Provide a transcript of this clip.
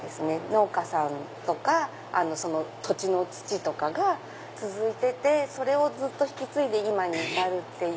農家さんとか土地の土とかが続いててそれを引き継いで今に至る。